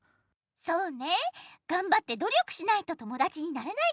そうねがんばって努力しないと友だちになれないかもね。